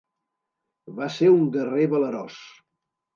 Va ser un guerrer valerós.